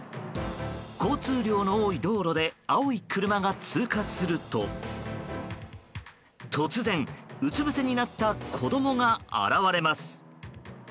交通量の多い道路で青い車が通過すると突然、うつぶせになった子供が現れます。